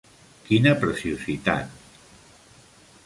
Quina preciositat!